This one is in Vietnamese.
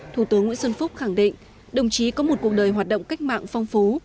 thủ tướng nguyễn xuân phúc khẳng định đồng chí có một cuộc đời hoạt động cách mạng phong phú